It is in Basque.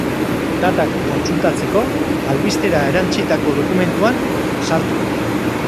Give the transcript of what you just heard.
Datak kontsultatzeko, albistera erantsitako dokumentuan sartu.